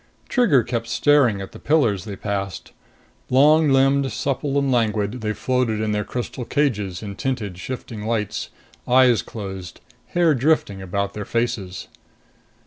Trigger kept staring at the pillars they passed. Long limbed, supple and languid, they floated in their crystal cages, in tinted, shifting lights, eyes closed, hair drifting about their faces.